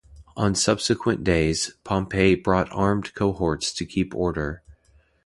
On subsequent days, Pompey brought armed cohorts to keep order.